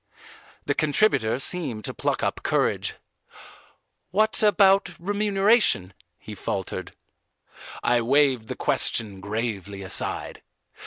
The contributor seemed to pluck up courage. "What about remuneration" he faltered. I waived the question gravely aside.